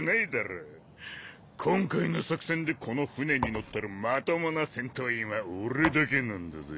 今回の作戦でこの船に乗ってるまともな戦闘員は俺だけなんだぜ。